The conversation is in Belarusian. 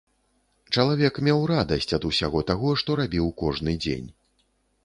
Чалавек меў радасць ад усяго таго, што рабіў кожны дзень.